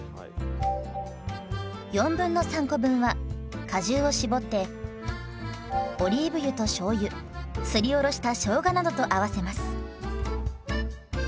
3/4コ分は果汁を搾ってオリーブ油としょうゆすりおろしたしょうがなどと合わせます。